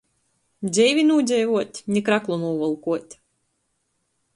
Dzeivi nūdzeivuot, ni kraklu nūvolkuot.